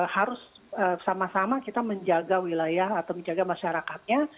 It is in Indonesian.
harus sama sama kita menjaga wilayah atau menjaga masyarakatnya